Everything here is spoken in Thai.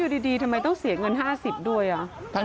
อยู่ดีทำไมต้องเสียเงิน๕๐บาทด้วย